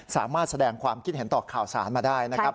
สามารถแสดงความคิดเห็นต่อข่าวสารมาได้นะครับ